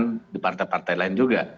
teman teman di partai partai lain juga